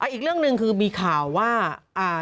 อีกเรื่องหนึ่งคือมีข่าวว่า